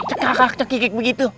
cek kakak cek gigi begitu